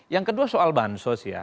yang kedua soal bansos ya